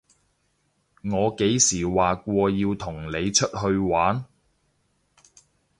我幾時話過要同你出去玩？